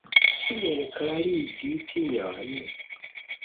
Kiel klarigi tion?